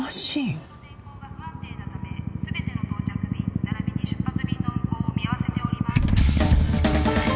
「上空の天候が不安定なため全ての到着便ならびに出発便の運航を見合わせております」